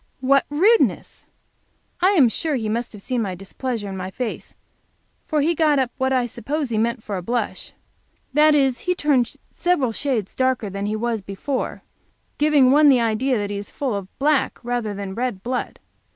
What rudeness! I am sure he must have seen my displeasure in my face, for he got up what I suppose he meant for a blush, that is he turned several shades darker than he was before, giving one the idea that he is full of black rather than red blood.